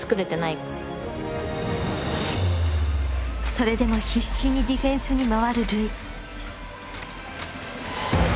それでも必死にディフェンスに回る瑠唯。